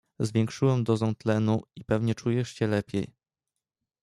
"Zwiększyłem dozę tlenu i pewnie czujesz się lepiej."